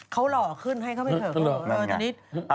เขาหล่อขึ้นให้เขาไม่ขยับ